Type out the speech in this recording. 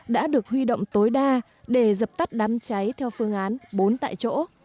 đã được huy động tối đa để dập tắt đám cháy theo phương án bốn tại chỗ